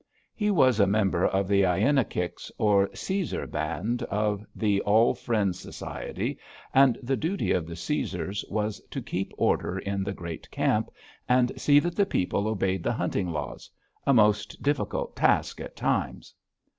He was a member of the Ai´ in i kiks, or Seizer band of the All Friends Society, and the duty of the Seizers was to keep order in the great camp, and see that the people obeyed the hunting laws a most difficult task at times.